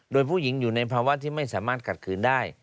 โดยผู้หญิงอยู่ในภาวะที่ไม่สามารถขัดขืนได้